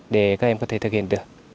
để các em có thể thực hiện được